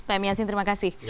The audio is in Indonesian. pak m yasin terima kasih